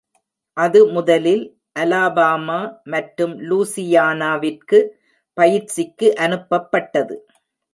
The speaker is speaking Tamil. அது முதலில் அலாபாமா மற்றும் லுசியானாவிற்கு பயிற்சிக்கு அனுப்பப்பட்டது.